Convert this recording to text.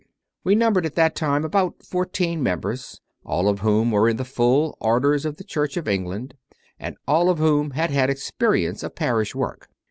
We numbered at that time about fourteen mem bers, all of whom were in the full Orders of the Church of England, and all of whom had had experience of parish work.